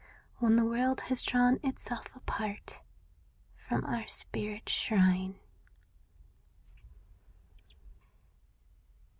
When the world has drawn itself apart From our spirit's shrine.